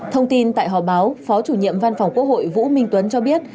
thông tin tại họp báo phó chủ nhiệm văn phòng quốc hội vũ minh tuấn cho biết